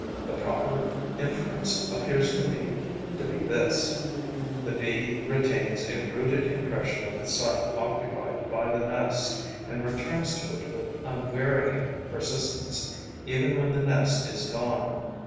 The proper inference appears to me to be this: the Bee retains a rooted impression of the site occupied by the nest and returns to it with unwearying persistence even when the nest is gone.